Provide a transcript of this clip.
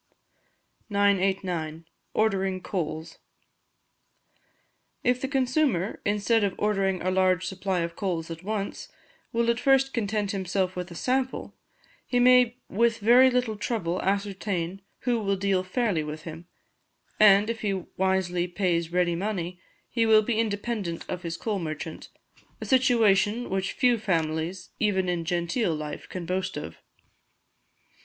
989. Ordering Coals. If the consumer, instead of ordering a large supply of coals at once, will at first content himself with a sample, he may with very little trouble ascertain who will deal fairly with him; and, if he wisely pays ready money, he will be independent of his coal merchant; a situation which few families, even in genteel life, can boast of.